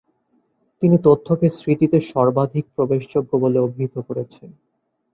তিনি তথ্যকে "স্মৃতিতে সর্বাধিক প্রবেশযোগ্য" বলে অভিহিত করেন।